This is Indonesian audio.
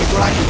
aku akan menang